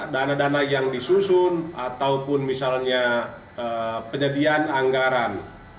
dana dana yang disusun ataupun misalnya penyediaan anggaran